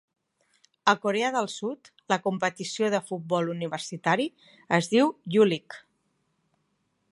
A Corea del Sud, la competició de futbol universitari es diu U-League.